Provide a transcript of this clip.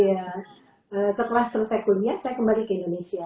iya setelah selesai kuliah saya kembali ke indonesia